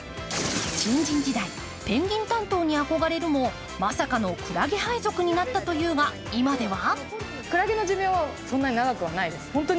新人時代、ペンギン担当に憧れるもまさかのクラゲ配属になったというが、今では？